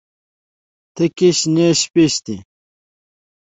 تکي شنې شپيشتي. که لهجه دي کندهارۍ نه ده مې وايه